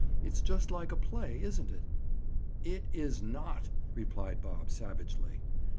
It's just like a play, isn't it?" "It is not," replied Bob savagely.